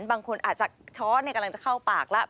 บางคนอาจจะช้อนกำลังจะเข้าปากแล้ว